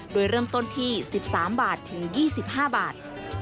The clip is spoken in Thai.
โดยเริ่มต้นที่๑๓บาทถึง๒๕บาท